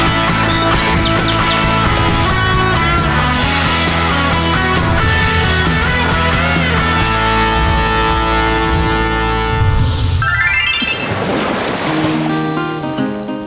สวัสดีครับผมขุยวัชนากฤษทุกพบสุขครับ